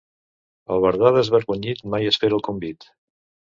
Albardà desvergonyit mai espera el convit.